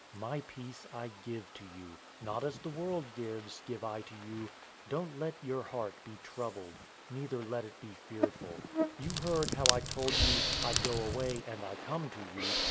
My peace I give to you; not as the world gives, give I to you. Don't let your heart be troubled, neither let it be fearful. 014:028 You heard how I told you, 'I go away, and I come to you.'